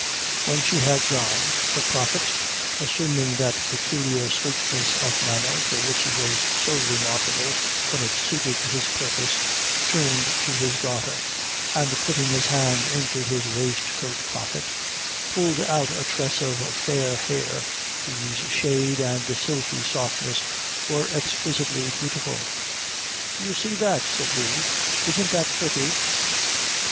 When she had gone, the prophet, assuming that peculiar sweetness of manner, for which he was so remarkable when it suited his purpose, turned to his daughter, and putting his hand into his waistcoat pocket, pulled out a tress of fair hair, whose shade and silky softness were exquisitely beautiful. "Do you see that," said he, "isn't that pretty?"